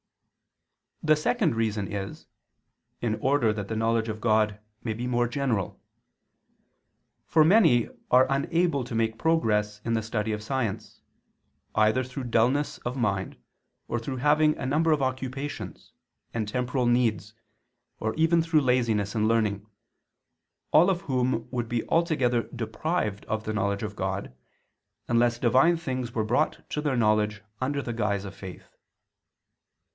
The second reason is, in order that the knowledge of God may be more general. For many are unable to make progress in the study of science, either through dullness of mind, or through having a number of occupations, and temporal needs, or even through laziness in learning, all of whom would be altogether deprived of the knowledge of God, unless Divine things were brought to their knowledge under the guise of faith.